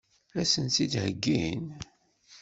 Ad sent-t-id-heggin?